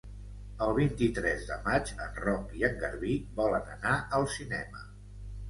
El vint-i-tres de maig en Roc i en Garbí volen anar al cinema.